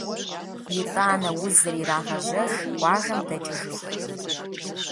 Итӏанэ узыр ирагъэжьэж къуажэм дэкӏыжыху.